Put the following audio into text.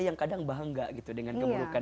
yang kadang bangga gitu dengan keburukan